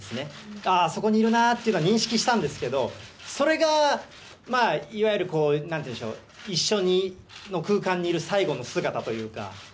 ああ、あそこにいるなっていうのは認識したんですけど、それがまあ、いわゆる、なんていうんでしょう、一緒の空間にいる最後の姿というか。